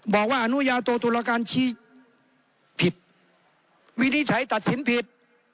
บอกว่าอนุญาโตตุรการชี้ผิดวินิจฉัยตัดสินผิด